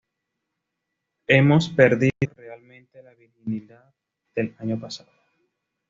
Hemos perdido realmente la virginidad del año pasado".